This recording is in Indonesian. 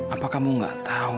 apa kamu gak tau